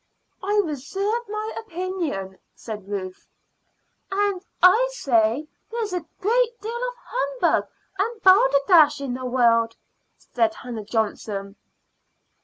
"I reserve my opinion," said Ruth. "And I say there's a great deal of humbug and balder dash in the world," said Hannah Johnson.